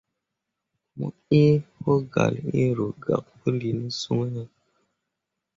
Mo ĩĩ wogalle hĩĩ ro gak pũũlil ne son ah.